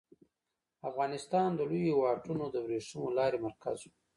افغانستان د لویو واټونو د ورېښمو لارې مرکز و